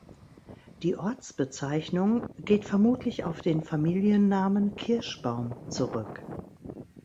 Die Ortsbezeichnung geht vermutlich auf den Familiennamen Kirschbaum zurück.